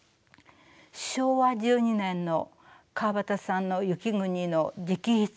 昭和１２年の川端さんの「雪国」の直筆